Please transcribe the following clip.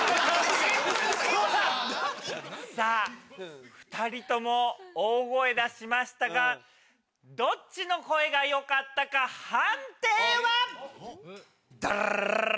さぁ２人とも大声出しましたがどっちの声が良かったか判定は？